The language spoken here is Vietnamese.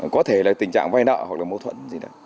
có thể là tình trạng vay nợ hoặc là mâu thuẫn